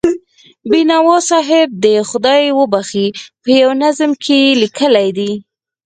بینوا صاحب دې خدای وبښي، په یوه نظم کې یې لیکلي دي.